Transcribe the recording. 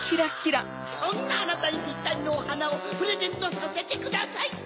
そんなあなたにピッタリのおはなをプレゼントさせてください！